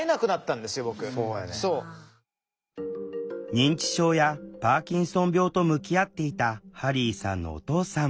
認知症やパーキンソン病と向き合っていたハリーさんのお父さん。